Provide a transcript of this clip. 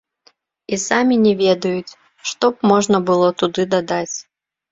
І самі не ведаюць, што б можна было туды дадаць.